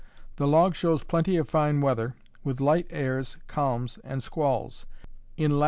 The log shows plenty of fine weather, with light airs, calms, and squalls. In lat.